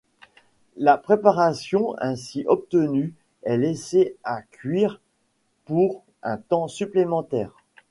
La préparation ainsi obtenue est laissée à cuire pour un temps supplémentaire.